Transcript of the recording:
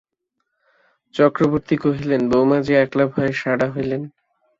চক্রবর্তী কহিলেন, বউমা যে একলা ভয়ে সারা হইলেন।